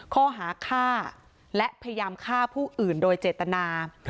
ข้อหาฆ่าและพยายามฆ่าผู้อื่นโดยเจตนา